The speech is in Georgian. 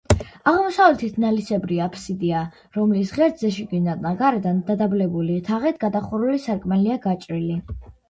აღმოსავლეთით ნალისებრი აფსიდია, რომლის ღერძზე შიგნიდან და გარედან დადაბლებული თაღით გადახურული სარკმელია გაჭრილი.